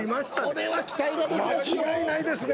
これは期待できますね。